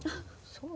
そう。